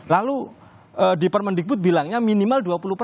lalu di permendikbud bilangnya minimal dua puluh persen